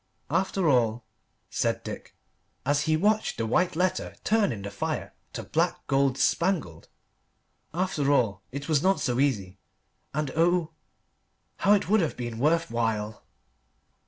"After all," said Dick, as he watched the white letter turn in the fire to black, gold spangled, "after all, it was not so easy. And oh, how it would have been worth while!"